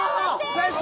先生